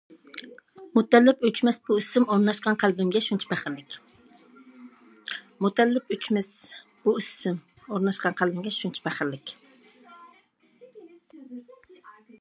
مۇتەللىپ! ئۆچمەس بۇ ئىسىم، ئورناشقان قەلبىمگە شۇنچە پەخىرلىك.